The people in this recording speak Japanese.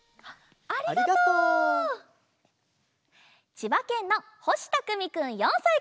ちばけんのほしたくみくん４さいから。